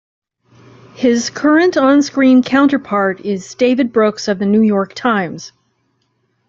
His current on-screen counterpart is David Brooks of "The New York Times".